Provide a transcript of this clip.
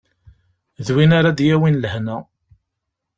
D win ara d-yawin lehna.